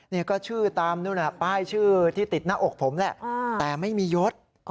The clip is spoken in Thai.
นี่ก็ชื่อตามนู่นป้ายชื่อที่ติดหน้าอกผมแหละแต่ไม่มียศ